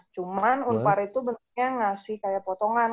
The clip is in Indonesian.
cuma u empat belas itu bentuknya ngasih kayak potongan